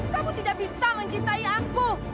kamu tidak bisa mencintai aku